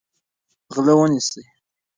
غله ونیسئ.